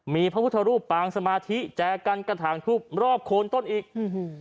มีพระพุทธรูปปางสมาธิแจกันกระถางทูบรอบโคนต้นอีกอืม